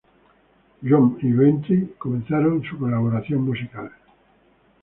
Björn y Benny comenzaron su colaboración musical.